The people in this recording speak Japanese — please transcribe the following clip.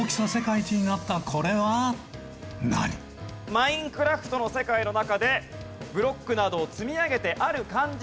『マインクラフト』の世界の中でブロックなどを積み上げてある漢字